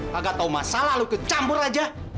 kagak tau masalah lu ikut campur aja